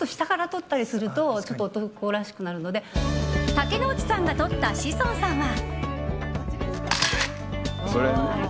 竹野内さんが撮った志尊さんは。